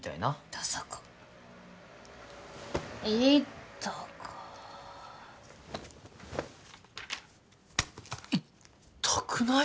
ダサか痛ったか痛ったくない？